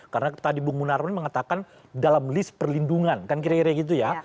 karena tadi bu munarman mengatakan dalam list perlindungan kan kira kira gitu ya